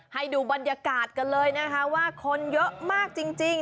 ให้ดูบรรยากาศกันเลยนะคะว่าคนเยอะมากจริง